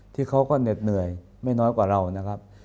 ที่เขาก็เหน็ดเหนื่อยไม่น้อยกว่าเรานะครับ